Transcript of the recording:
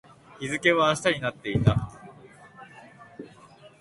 日付は明日になっていた